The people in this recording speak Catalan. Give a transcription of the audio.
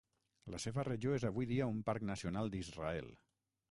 La seva regió és avui dia un parc nacional d'Israel.